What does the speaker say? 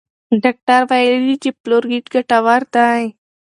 ډاکټر ویلي دي چې فلورایډ ګټور دی.